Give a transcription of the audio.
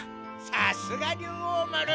さすが竜王丸。